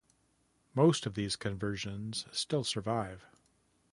Most of these conversions still survive.